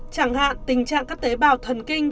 chẳng hạn tình trạng các tế bào thần kinh